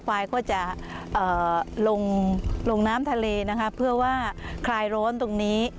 ควายก็จะลงน้ำทะเลนะคะเพื่อว่าคลายร้อนตรงนี้